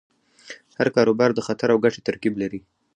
هر کاروبار د خطر او ګټې ترکیب لري.